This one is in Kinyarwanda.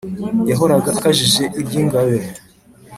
Yahoraga akajije iry’ingabe